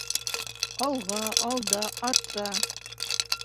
Алға, алда, артта